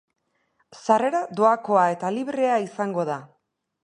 Sarrera doakoa eta librea izango da.